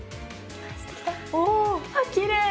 おきれい！